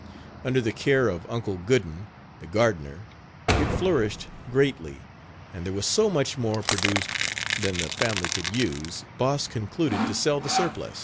Under the care of Uncle Gooden, the gardner, it flourished greatly; and there was so much more produced than the family could use, Boss concluded to sell the surplus.